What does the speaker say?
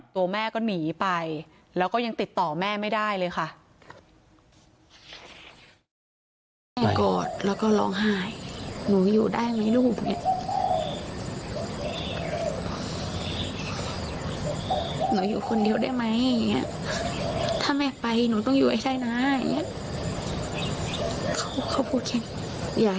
ตัวแม่ก็หนีไปแล้วก็ยังติดต่อแม่ไม่ได้เลยค่ะ